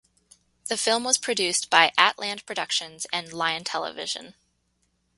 The film was produced by At Land Productions and Lion Television.